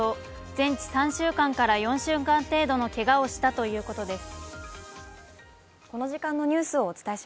全治３週間から４週間程度のけがをしたということです。